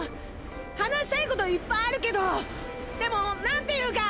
話したいこといっぱいあるけどでもなんていうか。